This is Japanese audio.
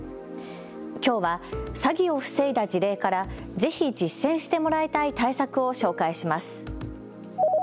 きょうは詐欺を防いだ事例からぜひ実践してもらいたい対策を紹介します。